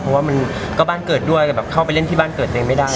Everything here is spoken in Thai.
เพราะว่ามันก็บ้านเกิดด้วยแต่แบบเข้าไปเล่นที่บ้านเกิดตัวเองไม่ได้